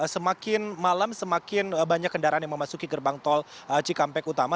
semakin malam semakin banyak kendaraan yang memasuki gerbang tol cikampek utama